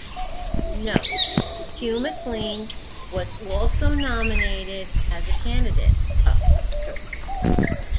Note: Hugh MacLean was also nominated as a candidate, but withdrew.